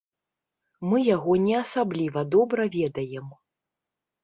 Мы яго не асабліва добра ведаем.